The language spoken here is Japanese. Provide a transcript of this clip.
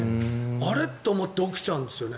あれ？と思って起きちゃうんですよね。